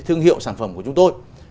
thương hiệu sản phẩm của chúng tôi